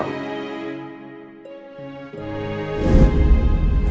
aku mau ke rumah